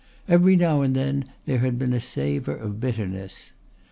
Every now and then there had been a savour of bitterness.